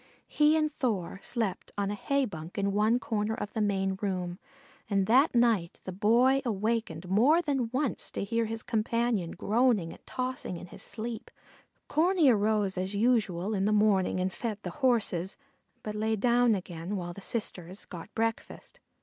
He and Thor slept on a hay bunk in one corner of the main room, and that night the Boy awakened more than once to hear his companion groaning and tossing in his sleep. Corney arose as usual in the morning and fed the horses, but lay down again while the sisters got breakfast.